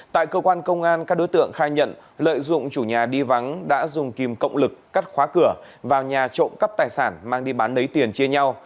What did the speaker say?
tại cơ quan công an các đối tượng khai nhận lợi dụng chủ nhà đi vắng đã dùng kìm cộng lực cắt khóa cửa vào nhà trộm cắp tài sản mang đi bán lấy tiền chia nhau